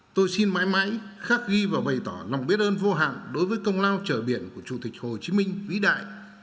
tôi xin mãi mãi khắc ghi và bày tỏ lòng biết ơn vô hạn đối với công lao trở biển của chủ tịch hồ chí minh vĩ đại